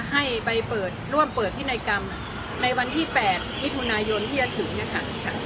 ให้ไปเปิดร่วมเปิดพินัยกรรมในวันที่๘มิถุนายนที่จะถึงเนี่ยค่ะ